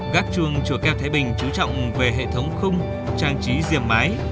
gác chuông chùa keo thái bình chú trọng về hệ thống khung trang trí diềm mái